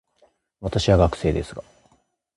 私は学生ですが、